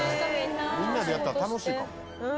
みんなでやったら楽しいかも。